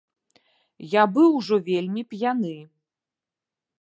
Я быў ужо вельмі п'яны.